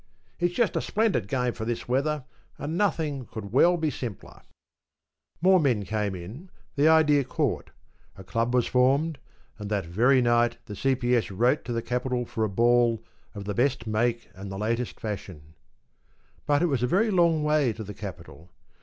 It's just a splendid game for this weather, and nothing could well be simpler.’ More men came in, the idea caught; a club was formed, and that very night the C.P.S. wrote to the capital for a ball ‘of the best make and the latest fashion.’ But it was a very long way to the capital.